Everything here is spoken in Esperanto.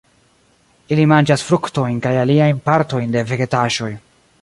Ili manĝas fruktojn kaj aliajn partojn de vegetaĵoj.